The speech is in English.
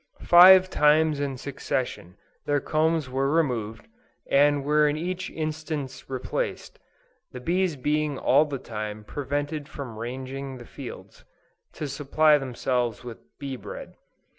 Five times in succession their combs were removed, and were in each instance replaced, the bees being all the time prevented from ranging the fields, to supply themselves with bee bread.